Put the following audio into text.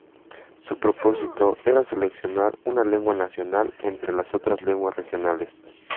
Su propósito era seleccionar una lengua nacional entre las otras lenguas regionales.